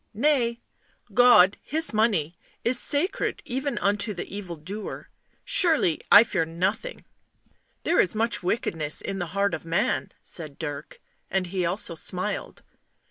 "Nay; God His money is sacred even unto the evildoer. Surely I fear nothing." " There is much wickedness in the heart of man," said Dirk. And he also smiled.